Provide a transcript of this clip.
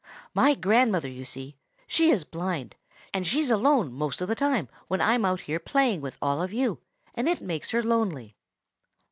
"My grandmother, you see: she is blind; and she's all alone most of the time when I'm out here playing with all of you, and it makes her lonely."